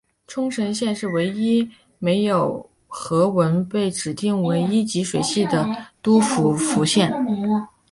冲绳县是唯一没有河川被指定为一级水系的都道府县。